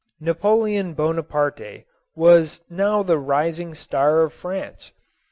Napoleon Bonaparte was now the rising star of France.